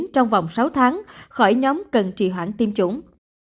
trong vòng sáu tháng khỏi nhóm cần trì hoãn tiêm chủng